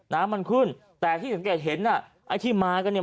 น้ำมันขึ้นแต่ที่สังเกตเห็นน่ะไอ้ที่มากันเนี่ย